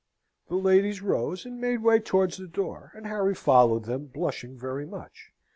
The ladies rose, and made way towards the door; and Harry followed them, blushing very much.